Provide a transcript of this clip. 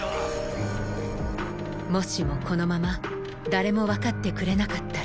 もしもこのまま誰もわかってくれなかったら